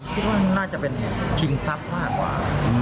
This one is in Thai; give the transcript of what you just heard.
คิดว่าน่าจะเป็นชิงทรัพย์มากกว่า